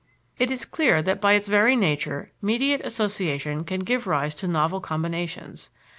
It is clear that by its very nature mediate association can give rise to novel combinations.